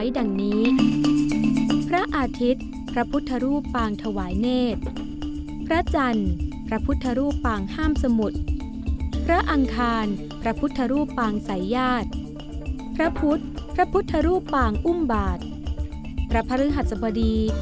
ได้ส่งพระอนิพพลไว้ดังนี้